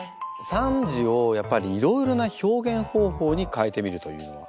３時をやっぱりいろいろな表現方法に変えてみるというのは。